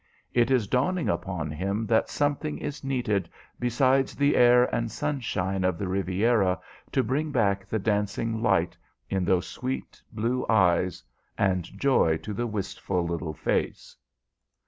It is dawning upon him that something is needed besides the air and sunshine of the Riviera to bring back the dancing light in those sweet blue eyes and joy to the wistful little face.